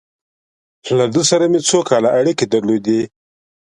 له ده سره مې څو کاله اړیکې درلودې.